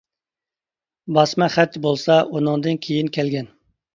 باسما خەت بولسا ئۇنىڭدىن كېيىن كەلگەن.